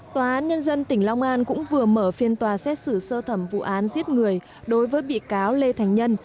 tòa án nhân dân tỉnh long an cũng vừa mở phiên tòa xét xử sơ thẩm vụ án giết người đối với bị cáo lê thành nhân